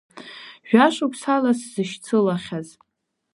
Жәашықәсала сзышьцылахьаз…